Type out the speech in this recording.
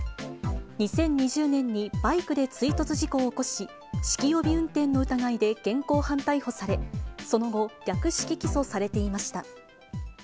２０２０年にバイクで追突事故を起こし、酒気帯び運転の疑いで現行犯逮捕され、その後、略式起訴されていました。